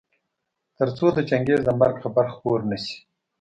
تر څو د چنګېز د مرګ خبر خپور نه شي.